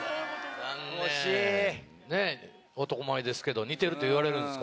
惜しい！ねぇ男前ですけど似てるって言われるんですか？